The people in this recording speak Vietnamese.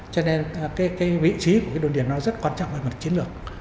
cho nên cái vị trí của cái đồn điền nó rất quan trọng về mặt chiến lược